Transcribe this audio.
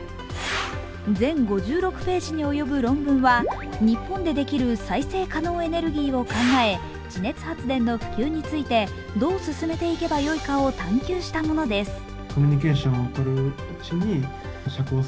全５６ページに及ぶ論文は日本でできる再生可能エネルギーを考え地熱発電の普及についてどう進めていけばいいかを探究したものです。